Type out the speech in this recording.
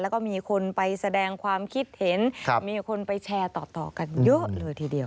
แล้วก็มีคนไปแสดงความคิดเห็นมีคนไปแชร์ต่อกันเยอะเลยทีเดียว